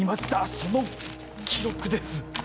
その記録です。